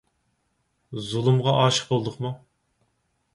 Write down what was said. زۇلۇمغا ئاشىق بولدۇقمۇ؟